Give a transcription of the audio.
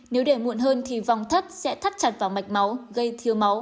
nếu để muộn hơn thì vòng thất sẽ thắt chặt vào mạch máu gây thiếu máu